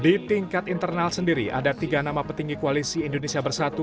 di tingkat internal sendiri ada tiga nama petinggi koalisi indonesia bersatu